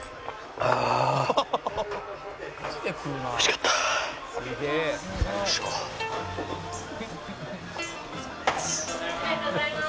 ありがとうございます。